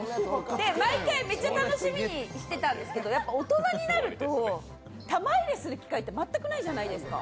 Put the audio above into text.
毎回、めっちゃ楽しみにしてたんですけどやっぱ大人になると玉入れする機会って全くないじゃないですか。